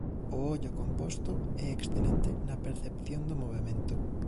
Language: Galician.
O ollo composto é excelente na percepción do movemento.